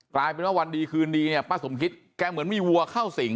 กลายเป็นว่าวันดีคืนดีเนี่ยป้าสมคิดแกเหมือนมีวัวเข้าสิง